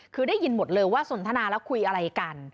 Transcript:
คือได้ยินหมดเลยว่าสนทนาแล้วคุยอะไรกัน